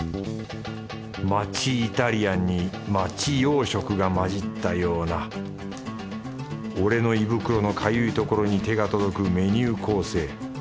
町イタリアンに町洋食が混じったような俺の胃袋のかゆいところに手が届くメニュー構成。